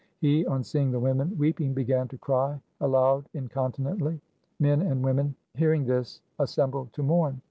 He on seeing the women weeping began to cry aloud incontinently. Men and women hearing this assembled to mourn.